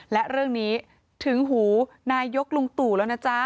และเรื่องนี้ถึงหูนายกลุงตู่แล้วนะจ๊ะ